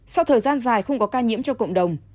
sau thời gian dài không có ca nhiễm cho cộng đồng